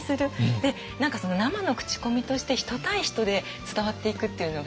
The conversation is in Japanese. でその生の口コミとして人対人で伝わっていくっていうのが。